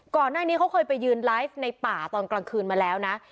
ก่อนหน้านี้เขาเคยไปยืนไลฟ์ในป่าตอนกลางคืนมาแล้วนะ